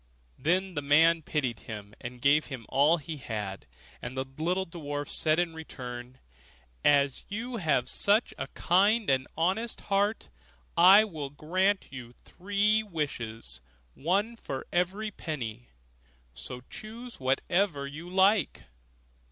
Then the man pitied him, and gave him all he had; and the little dwarf said in return, 'As you have such a kind honest heart, I will grant you three wishes one for every penny; so choose whatever you like.